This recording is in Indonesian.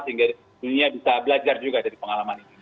sehingga dunia bisa belajar juga dari pengalaman ini